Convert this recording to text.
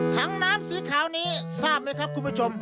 ถังน้ำสีขาวนี้ทราบไหมครับคุณผู้ชม